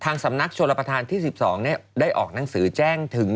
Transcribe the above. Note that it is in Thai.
สำนักชลประธานที่๑๒ได้ออกหนังสือแจ้งถึง